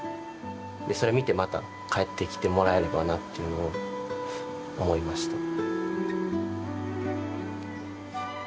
でそれ見てまた帰ってきてもらえればなというのを思いました。